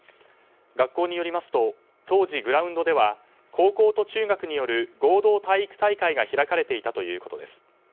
学校によりますと当時、グラウンドでは高校と中学による合同体育大会が開かれていたということです。